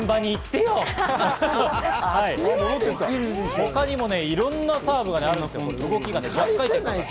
他にもいろんなサーブがあるんです。